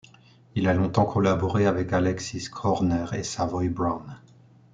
Il a longtemps collaboré avec Alexis Korner et Savoy Brown.